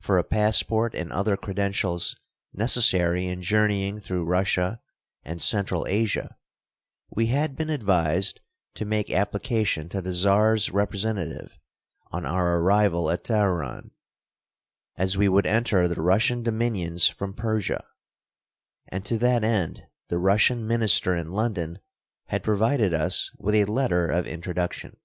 For a passport and other credentials necessary in journeying through Russia and Central Asia we had been advised to make application to the Czar's representative on our arrival at Teheran, as we would enter the Russian dominions from Persia; and to that end the Russian minister in London had provided us with a letter of introduction.